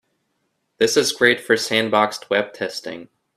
This is great for sandboxed web testing.